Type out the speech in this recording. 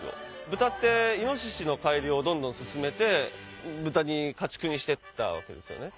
豚ってイノシシの改良をどんどん進めて豚に家畜にしていったわけですよね。